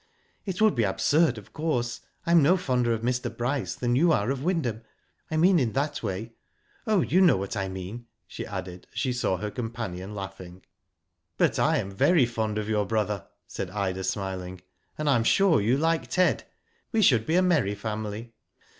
" It would be absurd, of course. I am no fonder of Mr. Bryce than you are of Wyndham. I mean in that way. Oh, you know what I mean," she added as she saw her com panion laughing. " But I am very fond of your brother," said Ida, smiling, "and I am sure you like Ted. We should be a merry family.